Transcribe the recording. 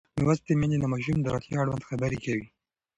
لوستې میندې د ماشومانو د روغتیا اړوند خبرې کوي.